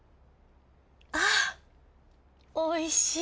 あおいしい。